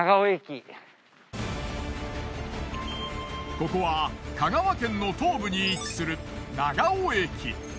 ここは香川県の東部に位置する長尾駅。